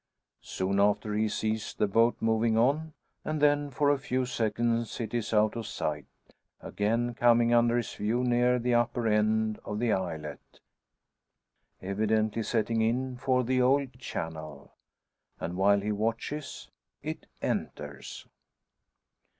Soon after he sees the boat moving on, and then for a few seconds it is out of sight, again coming under his view near the upper end of the islet, evidently setting in for the old channel. And while he watches, it enters!